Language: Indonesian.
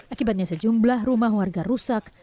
akibatnya sejumlah rumah warga rusak